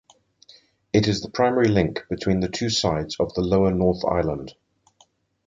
It is the primary link between the two sides of the lower North Island.